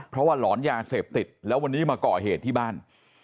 เพราะว่าหลอนยาเสพติดแล้ววันนี้มาก่อเหตุที่บ้าน